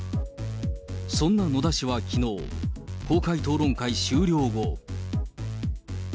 そんな野田氏はきのう、公開討論会終了後。